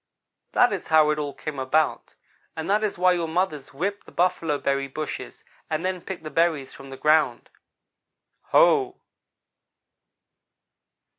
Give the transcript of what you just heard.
"That is how it all came about, and that is why your mothers whip the buffalo berry bushes and then pick the berries from the ground. Ho!"